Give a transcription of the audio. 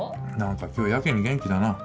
何か今日やけに元気だな。